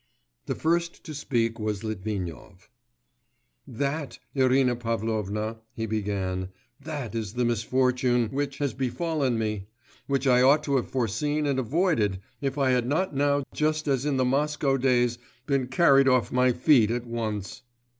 The first to speak was Litvinov. 'That, Irina Pavlovna,' he began, 'that is the misfortune, which ... has befallen me, which I ought to have foreseen and avoided, if I had not now just as in the Moscow days been carried off my feet at once.